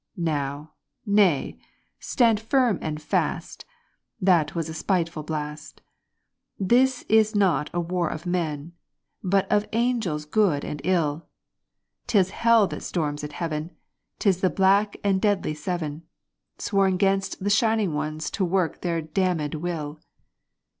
Now, nay! stand firm and fast! (that was a spiteful blast!) This is not a war of men, but of Angels Good and Ill 'Tis hell that storms at heaven 'tis the black and deadly Seven, Sworn 'gainst the Shining Ones to work their damnèd will!